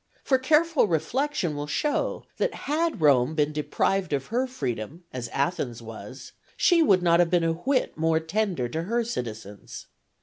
For careful reflection will show that had Rome been deprived of her freedom as Athens was, she would not have been a whit more tender to her citizens.